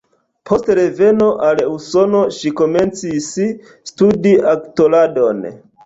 Post reveno al Usono, ŝi komencis studi aktoradon.